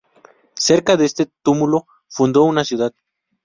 Cerca de este túmulo fundó una ciudad.